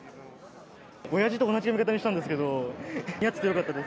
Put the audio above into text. おやじと同じ髪形にしたんですけど、似合っててよかったです。